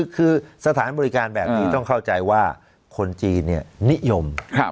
คือสถานบริการแบบนี้ค่ะคิดว่าคนจีนนี้นิยม